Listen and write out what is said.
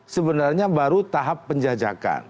sebenarnya baru tahap penjajakan